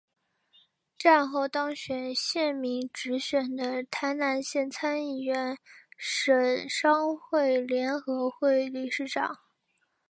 战后当选县民直选的台南县参议员省商会联合会理事长。